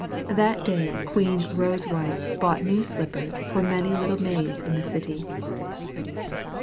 That day Queen Rosewhite bought new slippers for many little maids in the city.